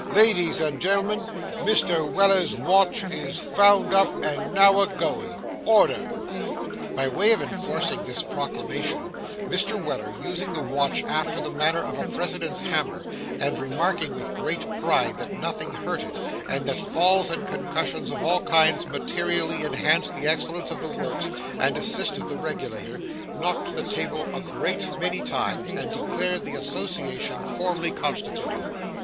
Ladies and gen'lmen, Mr. Weller's Watch is vound up and now a goin'. Order!' By way of enforcing this proclamation, Mr. Weller, using the watch after the manner of a president's hammer, and remarking with great pride that nothing hurt it, and that falls and concussions of all kinds materially enhanced the excellence of the works and assisted the regulator, knocked the table a great many times, and declared the association formally constituted.